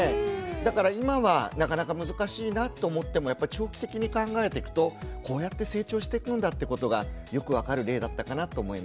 だから今はなかなか難しいなと思ってもやっぱ長期的に考えてくとこうやって成長してくんだってことがよく分かる例だったかなと思います。